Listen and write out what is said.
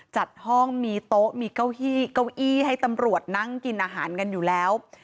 จัดห้องมีโต๊ะมีเก้าอี้เก้าอี้ให้ตำรวจนั่งกินอาหารกันอยู่แล้ว